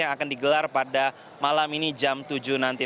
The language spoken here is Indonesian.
yang akan digelar pada malam ini jam tujuh nanti